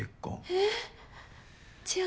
えぇじゃあ。